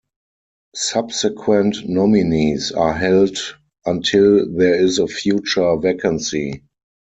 Subsequent nominees are held until there is a future vacancy.